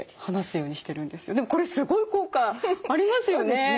でもこれすごい効果ありますよね。